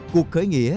cuộc khởi nghĩa